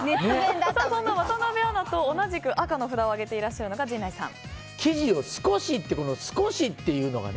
そんな渡辺アナと同じく赤の札を上げてらっしゃるのが生地を少しっていう。